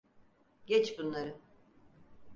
Geç bunları.